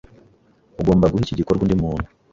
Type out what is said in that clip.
Ugomba guha iki gikorwa undi muntu.